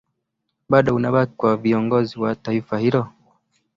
bado unabaki kwa viongozi wa taifa hilo